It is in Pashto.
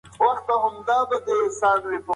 باید د انبیاوو سنت د شخصي ګټو لپاره وسیله نه شي.